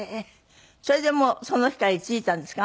それでその日から居着いたんですか？